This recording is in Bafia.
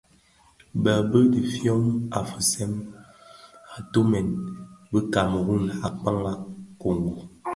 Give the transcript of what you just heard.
Bë bi fyoma fistem, atumèn bi Kameru a kpaň a kongo.